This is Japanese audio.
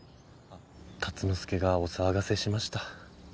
あっ竜之介がお騒がせしました。